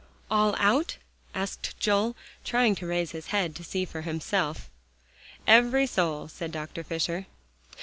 "All out?" asked Joel, trying to raise his head to see for himself. "Every soul," said Dr. Fisher.